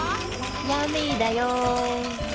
ヤミーだよ！